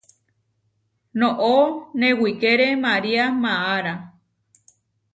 Noʼó newíkere María maará.